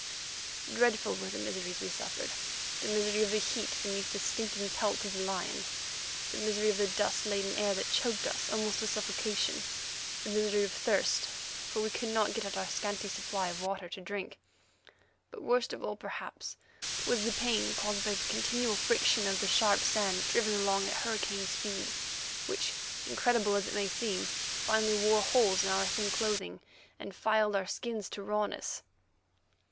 Dreadful were the miseries we suffered—the misery of the heat beneath the stinking pelt of the lion, the misery of the dust laden air that choked us almost to suffocation, the misery of thirst, for we could not get at our scanty supply of water to drink. But worst of all perhaps, was the pain caused by the continual friction of the sharp sand driven along at hurricane speed, which, incredible as it may seem, finally wore holes in our thin clothing and filed our skins to rawness.